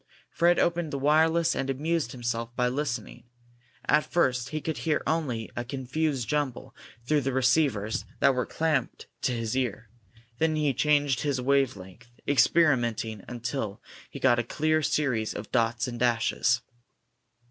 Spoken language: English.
Fred opened the wireless and amused himself by listening. At first he could hear only a confused jumble through the receivers that were clamped to his ear. Then he changed his wave length, experimenting until he got a clear series of dots and dashes.